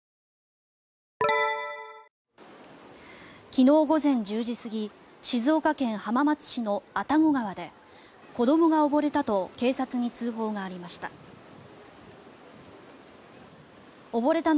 昨日午前１０時過ぎ静岡県浜松市の阿多古川で子どもが溺れたと警察に通報がありました。